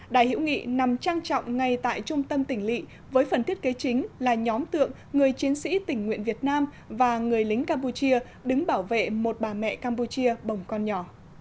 đài hữu nghị nằm trang trọng ngay tại trung tâm tỉnh lị với phần thiết kế chính là nhóm tượng người chiến sĩ tình nguyện việt nam và người lính campuchia đứng bảo vệ một bà mẹ campuchia bồng con nhỏ